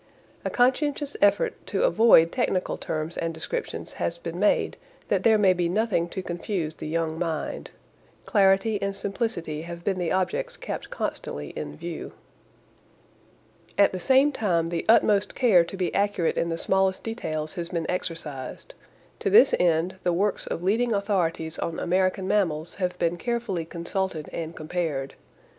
A conscientious effort to avoid technical terms and descriptions has been made that there may be nothing to confuse the young mind. Clarity and simplicity have been the objects kept constantly in view. At the same time the utmost care to be accurate in the smallest details has been exercised. To this end the works of leading authorities on American mammals have been carefully consulted and compared.